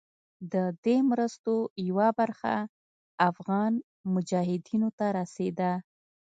د دې مرستو یوه برخه افغان مجاهدینو ته رسېده.